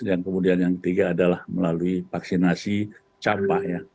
dan kemudian yang ketiga adalah melalui vaksinasi capa